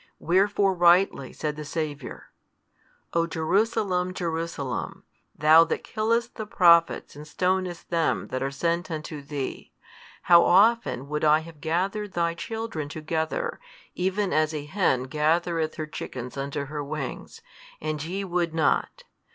Wherefore rightly said the Saviour, O Jerusalem, Jerusalem, thou that killest the Prophets and stonest them which are sent unto thee, how often would I have gathered thy children together, even as a hen gathereth her chickens under her wings, and ye would not!